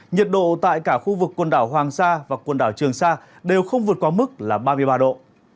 nhiệt độ tại cả khu vực quần đảo hoàng sa và quần đảo trường sa đều không vượt qua mức là ba mươi ba độ